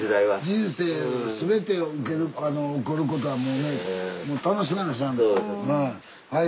人生全て来ることはもうね楽しまなしゃあない。